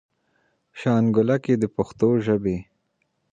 شانګله کښې د پښتو ژبې